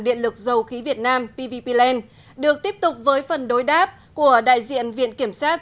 điện lực dầu khí việt nam pvp land được tiếp tục với phần đối đáp của đại diện viện kiểm sát